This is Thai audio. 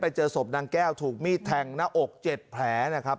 ไปเจอศพนางแก้วถูกมีดแทงหน้าอก๗แผลนะครับ